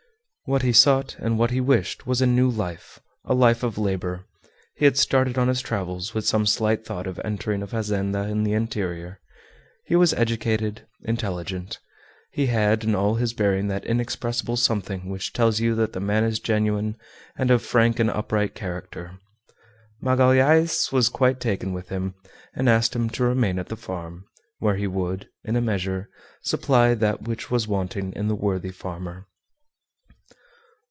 What he sought, and what he wished, was a new life, a life of labor. He had started on his travels with some slight thought of entering a fazenda in the interior. He was educated, intelligent. He had in all his bearing that inexpressible something which tells you that the man is genuine and of frank and upright character. Magalhaës, quite taken with him, asked him to remain at the farm, where he would, in a measure, supply that which was wanting in the worthy farmer.